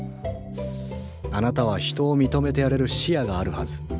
あなたは人を認めてやれる視野があるはず。